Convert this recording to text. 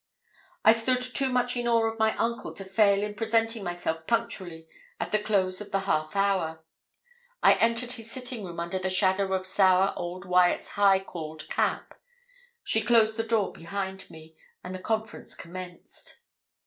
I stood too much in awe of my uncle to fail in presenting myself punctually at the close of the half hour. I entered his sitting room under the shadow of sour old Wyat's high cauled cap; she closed the door behind me, and the conference commenced.